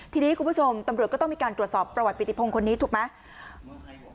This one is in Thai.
ทีนี้คุณผู้ชมตำรวจก็ต้องมีการตรวจสอบประวัติปิติพงศ์คนนี้ถูกไหม